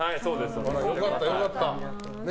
良かった、良かった。